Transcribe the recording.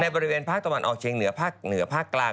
ในบริเวณภาคตะวันออกเชียงเหนือภาคกลาง